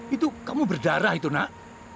itu kamu berdarah itu nak